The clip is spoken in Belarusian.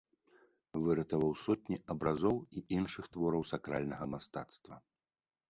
Выратаваў сотні абразоў і іншых твораў сакральнага мастацтва.